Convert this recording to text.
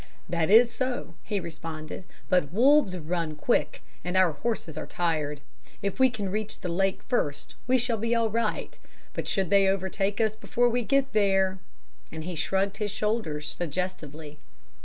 "'That is so,' he responded, 'but wolves run quick, and our horses are tired. If we can reach the lake first we shall be all right, but should they overtake us before we get there ' and he shrugged his great shoulders suggestively.